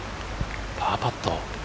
パーパット。